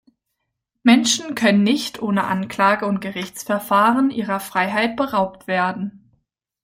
Menschen können nicht ohne Anklage und Gerichtsverfahren ihrer Freiheit beraubt werden.